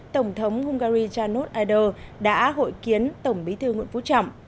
tổng thống hungary janos aider đã hội kiến tổng bí thư nguyễn phú trọng